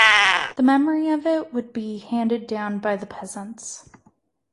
The memory of it would be handed down by the peasants.